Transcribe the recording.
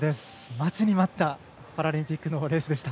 待ちに待ったパラリンピックのレースでした。